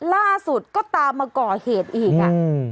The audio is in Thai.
ล่าสุดก็ตามมาก่อเหตุอีกอ่ะ